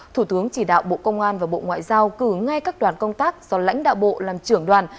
thủ tướng chỉ đạo bộ công an và bộ ngoại giao cử ngay các đoàn công tác do lãnh đạo bộ làm trưởng đoàn